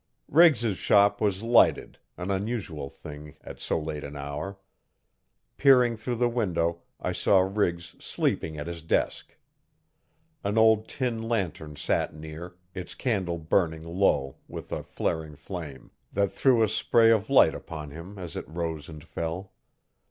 Riggs's shop was lighted an unusual thing at so late an hour. Peering through the window I saw Riggs sleeping at his desk An old tin lantern sat near, its candle burning low, with a flaring flame, that threw a spray of light upon him as it rose and fell.